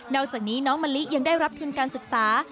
อกจากนี้น้องมะลิยังได้รับทุนการศึกษา